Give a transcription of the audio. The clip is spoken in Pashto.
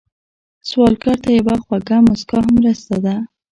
سوالګر ته یوه خوږه مسکا هم مرسته ده